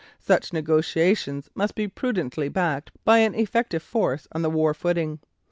Such negotiations must be prudently backed by an effective force on the war footing.